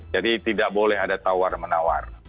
tidak boleh ada tawar menawar